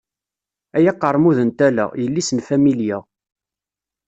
Ay aqermud n tala, yelli-s n familya.